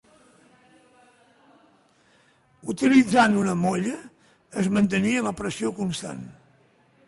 Utilitzant una molla es mantenia la pressió constant.